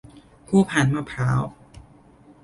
คู่พานมะพร้าว